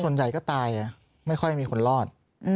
ส่วนใหญ่ก็ตายไม่ค่อยมีคนรอด